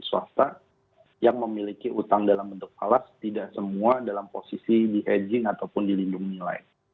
swasta yang memiliki utang dalam bentuk alas tidak semua dalam posisi di adging ataupun dilindung nilai